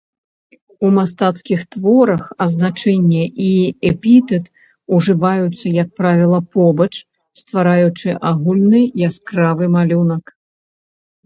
У мастацкіх творах азначэнне і эпітэт ужываюцца, як правіла, побач, ствараючы агульны яскравы малюнак.